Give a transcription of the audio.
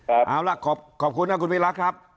เอาล่ะขอบคุณครับคุณวีระครับ